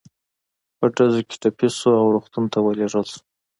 په ډزو کې ټپي شو او روغتون ته ولېږدول شو.